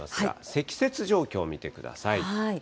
積雪状況見てください。